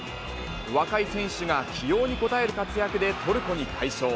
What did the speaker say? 若い選手が起用に応える活躍でトルコに快勝。